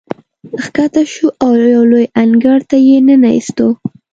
ښکته شوو او یو لوی انګړ ته یې ننه ایستو.